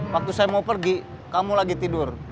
waktu saya mau pergi kamu lagi tidur